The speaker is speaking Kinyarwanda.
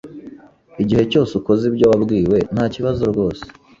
Igihe cyose ukoze ibyo wabwiwe, ntakibazo rwose